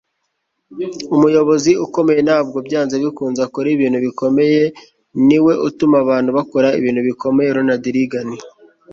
umuyobozi ukomeye ntabwo byanze bikunze akora ibintu bikomeye. niwe utuma abantu bakora ibintu bikomeye. - ronald reagan